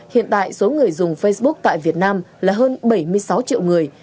hiện tại số người dùng facebook tại việt nam là hơn bảy mươi sáu triệu người